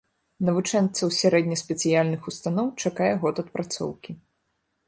Навучэнцаў сярэдне-спецыяльных устаноў чакае год адпрацоўкі.